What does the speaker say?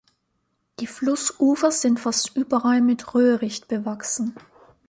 Die Flussufer sind fast überall mit Röhricht bewachsen.